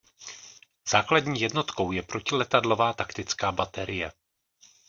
Základní jednotkou je protiletadlová taktická baterie.